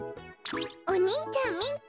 お兄ちゃんみっけ！